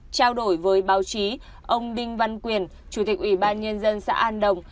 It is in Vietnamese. trao đổi với báo chí ông đinh văn quyền chủ tịch ủy ban nhân dân xã an đồng